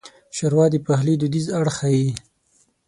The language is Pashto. ښوروا د پخلي دودیز اړخ ښيي.